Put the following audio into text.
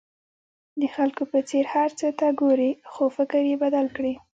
د خلکو په څېر هر څه ته ګورئ خو فکر یې بدل کړئ.